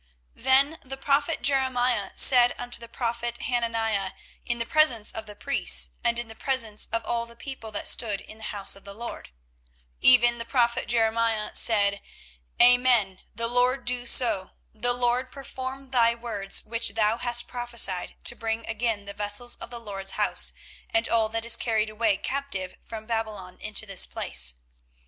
24:028:005 Then the prophet Jeremiah said unto the prophet Hananiah in the presence of the priests, and in the presence of all the people that stood in the house of the LORD, 24:028:006 Even the prophet Jeremiah said, Amen: the LORD do so: the LORD perform thy words which thou hast prophesied, to bring again the vessels of the LORD's house, and all that is carried away captive, from Babylon into this place.